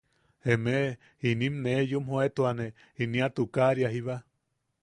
Emeʼe inim nee yumjoetuane inia tukari jiba.